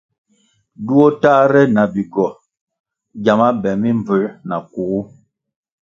Duo tahre na bigwo gyama be mimbvū na kugu.